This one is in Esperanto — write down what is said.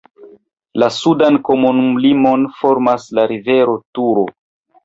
La sudan komunumlimon formas la rivero Turo.